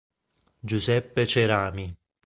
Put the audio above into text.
Giuseppe Cerami